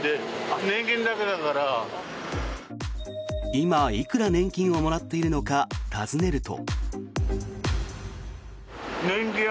今、いくら年金をもらっているのか尋ねると。